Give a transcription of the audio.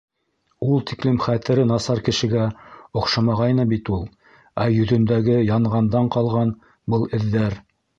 Ул тиклем хәтере насар кешегә оҡшамағайны бит ул. Ә йөҙөндәге янғандан ҡалған был эҙҙәр?